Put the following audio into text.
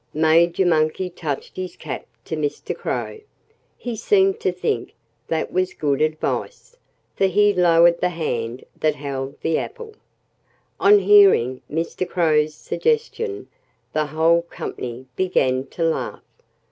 Major Monkey touched his cap to Mr. Crow. He seemed to think that was good advice, for he lowered the hand that held the apple. On hearing Mr. Crow's suggestion the whole company began to laugh.